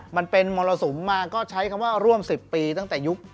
มันเป็นมรสุมมาก็ใช้คำว่าร่วม๑๐ปีตั้งแต่ยุค